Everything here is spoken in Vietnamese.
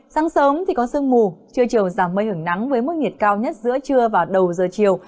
sáng sớm thì có sương mù trưa chiều giảm mây hưởng nắng với mức nhiệt cao nhất giữa trưa và đầu giờ chiều